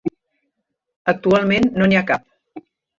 Actualment no n'hi ha cap.